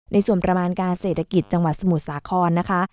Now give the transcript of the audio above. ในส่วนประมาณการเศรษฐกิจจังหวัดสมุทรสาครนะคะ